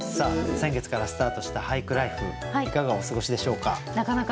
先月からスタートした俳句ライフいかがお過ごしでしょうか？